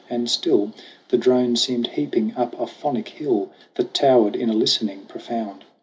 And still The drone seemed heaping up a phonic hill That towered in a listening profound.